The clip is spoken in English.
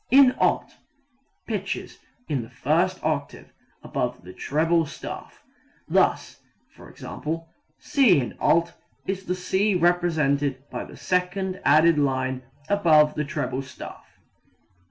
In alt pitches in the first octave above the treble staff. Thus e.g., "C in alt" is the C represented by the second added line above the treble staff.